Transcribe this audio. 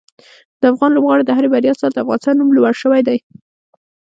د افغان لوبغاړو د هرې بریا سره د افغانستان نوم لوړ شوی دی.